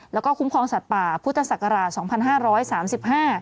แล้วก็คุ้มครองสัตว์ป่าพุทธศักราช๒๕๓๕